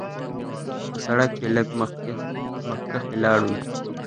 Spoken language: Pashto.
پۀ سړک چې لږ مخکښې لاړو نو